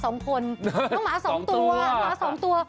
น้องหมา๒ตัว